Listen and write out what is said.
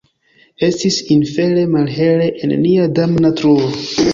Estis infere malhele en nia damna truo!